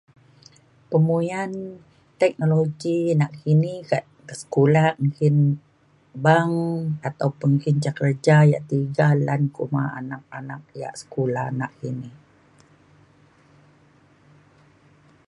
pemuyan teknologi nakini kak ke sekula nggin bang atau pa kerja kerja yak tiga lan kuma anak anak yak sekula nakini